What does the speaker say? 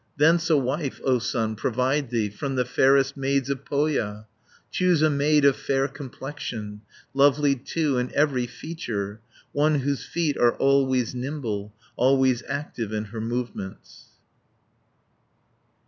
"Thence a wife, O son, provide thee, From the fairest maids of Pohja; Choose a maid of fair complexion, Lovely, too, in every feature, One whose feet are always nimble, 240 Always active in her movements."